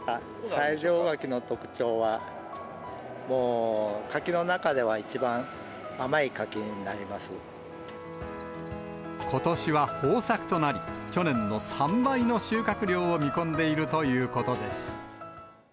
西条柿の特徴は、もう柿の中では、ことしは豊作となり、去年の３倍の収穫量を見込んでいるということです。